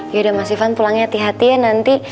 ya dan mas ivan pulangnya hati hati ya nanti